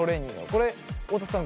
これ大田さん